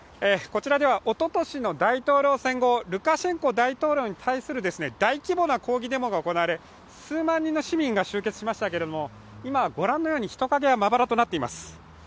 こちらではおととしの大統領選後、ルカシェンコ大統領に対する大規模な抗議デモが行われ、数万人の市民が集結しましたけれども今は御覧のように人影はまばらとなっています。